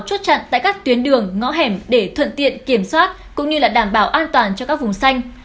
chốt chặn tại các tuyến đường ngõ hẻm để thuận tiện kiểm soát cũng như là đảm bảo an toàn cho các vùng xanh